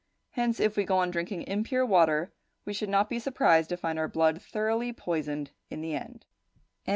Hence, if we go on drinking impure water, we should not be surprised to find our blood thoroughly poisoned in the end.